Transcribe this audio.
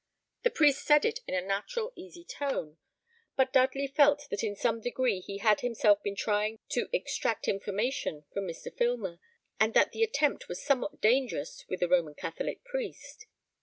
The priest said it in a natural, easy tone; but Dudley felt that in some degree he had himself been trying to extract information from Mr. Filmer, and that the attempt was somewhat dangerous with a Roman Catholic priest.